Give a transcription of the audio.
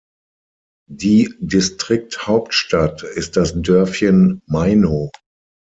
Die Distrikthauptstadt ist das Dörfchen Maino.